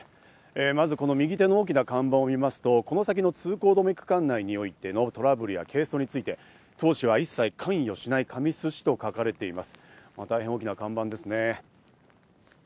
まずこの右手の大きな看板を見ますと、この先の通行止め区間内においてのトラブルや係争について当市は一切関与しない、神栖市と書かれています。